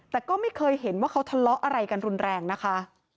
แต่ก็ไม่เคยเห็นว่าเขาทะเลาะอะไรกันรุนแรงนะคะ